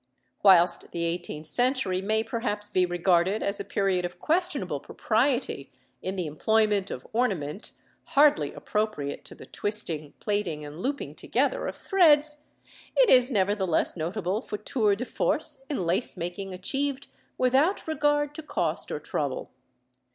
Whilst the eighteenth century may perhaps be regarded as a period of questionable propriety in the employment of ornament hardly appropriate to the twisting, plaiting, and looping together of threads, it is nevertheless notable for tours de force in lace making achieved without regard to cost or trouble.